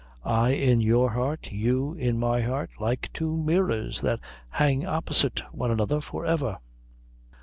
I in your heart, you in my heart, like two mirrors that hang opposite one another for ever."